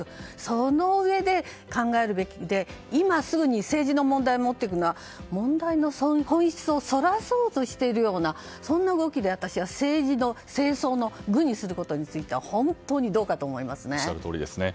そのうえで考えるべきで今すぐに政治の問題に持っていくのは、問題の本質をそらそうとしているような動きで政争の具にすることについては本当にどうかと思いますね。